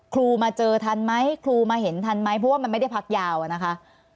มาเจอทันไหมครูมาเห็นทันไหมเพราะว่ามันไม่ได้พักยาวอะนะคะ